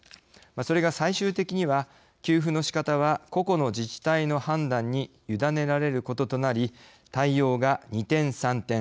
それが最終的には給付の仕方は個々の自治体の判断に委ねられることとなり対応が二転三転。